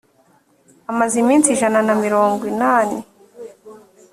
amaze iminsi ijana na mirongo inani.